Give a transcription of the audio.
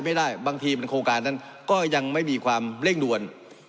ไม่ได้บางทีเป็นโครงการนั้นก็ยังไม่มีความเร่งด่วน